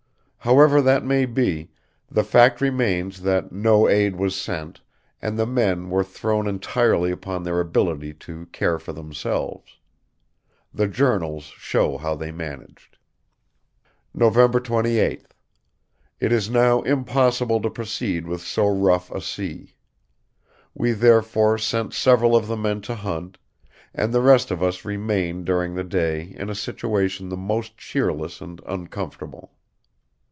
However that may be, the fact remains that no aid was sent, and the men were thrown entirely upon their ability to care for themselves. The journals show how they managed. "November 28th. It is now impossible to proceed with so rough a sea. We therefore sent several of the men to hunt, and the rest of us remained during the day in a situation the most cheerless and uncomfortable.